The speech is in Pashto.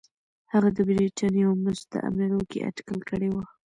هغه د برېټانیا او مستعمرو کې اټکل کړی و.